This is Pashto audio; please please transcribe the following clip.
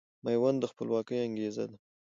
ميوند د خپلواکۍ انګېزه ده